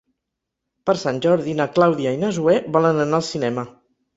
Per Sant Jordi na Clàudia i na Zoè volen anar al cinema.